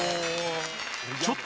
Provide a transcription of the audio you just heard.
ちょっと。